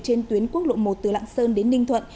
trên tuyến quốc lộ một từ lạng sơn đến ninh thuận